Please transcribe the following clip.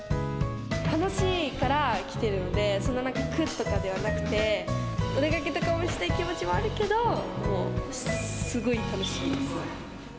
楽しいから来てるので、そんななんか、苦とかではなくて、お出かけとかもしたい気持ちもあるけど、すごい楽しいです。